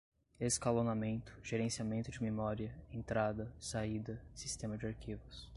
escalonamento, gerenciamento de memória, entrada, saída, sistema de arquivos